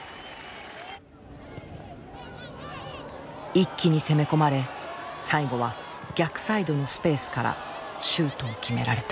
一気に攻め込まれ最後は逆サイドのスペースからシュートを決められた。